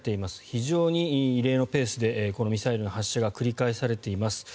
非常に異例のペースでミサイルの発射が繰り返されています。